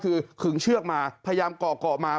คือขึงเชือกมาพยายามก่อก่อกมา